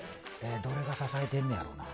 どれが支えてんねんやろ。